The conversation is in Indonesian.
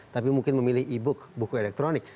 tapi mungkin memilih e book buku elektronik